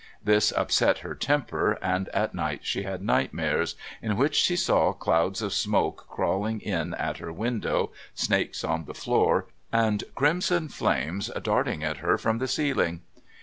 This upset her temper, and at night she had nightmares, in which she saw clouds of smoke crawling in at her window, snakes on the floor, and crimson flames darting at her from the ceiling.